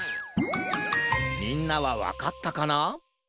みんなはわかったかな？